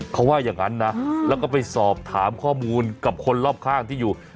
เขาว่าอย่างนั้นนะแล้วก็ไปสอบถามข้อมูลกับคนรอบข้างที่อยู่